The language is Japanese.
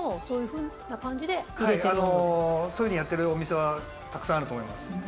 そういうふうにやってるお店はたくさんあると思います。